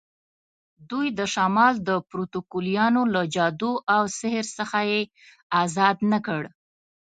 دوی د شمال د پروتوکولیانو له جادو او سحر څخه یې آزاد نه کړ.